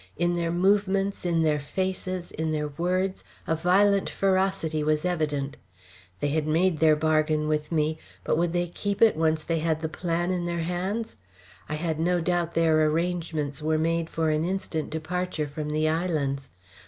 In their movements, in their faces, in their words, a violent ferocity was evident. They had made their bargain with me, but would they keep it once they had the plan in their hands? I had no doubt their arrangements were made for an instant departure from the islands.